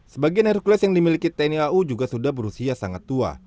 sebagian hercules yang dimiliki tni au juga sudah berusia sangat tua